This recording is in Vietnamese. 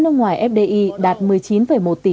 nước ngoài fdi đạt một mươi chín một tỷ